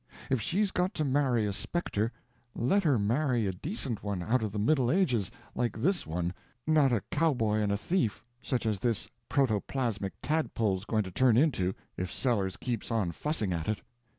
If she's got to marry a spectre, let her marry a decent one out of the Middle Ages, like this one—not a cowboy and a thief such as this protoplasmic tadpole's going to turn into if Sellers keeps on fussing at it.